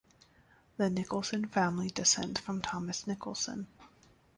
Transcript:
The Nicolson family descends from Thomas Nicolson.